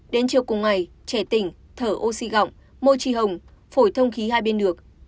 đến chiều cùng ngày trẻ tỉnh thở oxy gọng môi tri hồng phổi thông khí hai bên được